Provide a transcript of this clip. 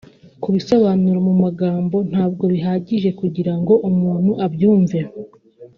kubisobanura mu magambo ntabwo bihagije kugira ngo umuntu abyumve